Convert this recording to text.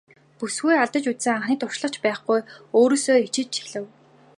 Бүсгүй алдаж үзсэн анхны туршлага ч байхгүй өөрөөсөө ичиж эхлэв.